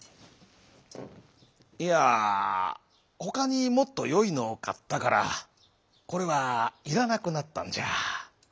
「いやほかにもっとよいのをかったからこれはいらなくなったんじゃ」。